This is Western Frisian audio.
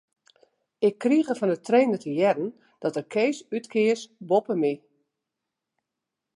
Ik krige fan 'e trainer te hearren dat er Kees útkeas boppe my.